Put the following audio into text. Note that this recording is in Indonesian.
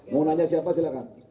mau nanya siapa silakan